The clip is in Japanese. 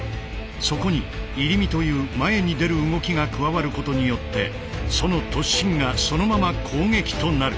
そこに入身という前に出る動きが加わることによってその突進がそのまま攻撃となる。